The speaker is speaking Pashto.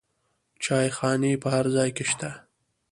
چایخانې په هر ځای کې شته.